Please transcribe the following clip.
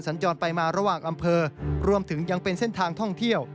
ทำให้เกิดปัชฎพลลั่นธมเหลืองผู้สื่อข่าวไทยรัฐทีวีครับ